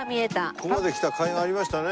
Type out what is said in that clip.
ここまで来たかいがありましたね。